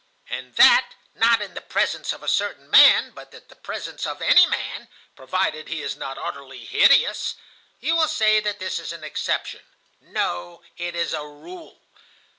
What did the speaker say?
"And that, not in the presence of a certain man, but in the presence of any man, provided he is not utterly hideous. You will say that this is an exception. No, it is a rule.